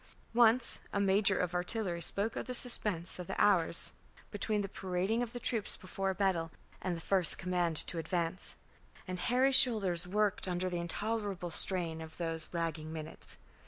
Once a major of artillery spoke of the suspense of the hours between the parading of the troops before a battle and the first command to advance; and Harry's shoulders worked under the intolerable strain of those lagging minutes.